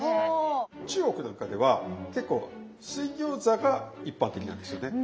中国なんかでは結構水餃子が一般的なんですよね。